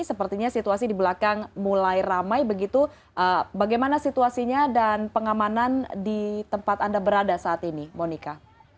sepertinya situasi di belakang mulai ramai begitu bagaimana situasinya dan pengamanan di tempat anda berada saat ini monika